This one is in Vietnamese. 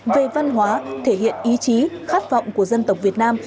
về văn hóa thể hiện ý chí khát vọng của dân tộc việt nam